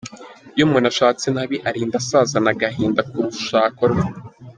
Iyo umuntu ashatse nabi arinda asazana agahina k’urushako rwe.